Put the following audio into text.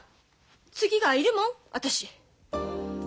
次がいるもん私。